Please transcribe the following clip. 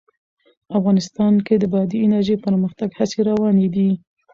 افغانستان کې د بادي انرژي د پرمختګ هڅې روانې دي.